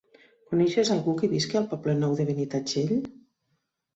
Coneixes algú que visqui al Poble Nou de Benitatxell?